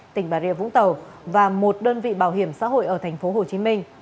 tỉnh bà rịa vũng tàu và một đơn vị bảo hiểm xã hội ở tp hcm